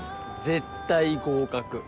絶対合格。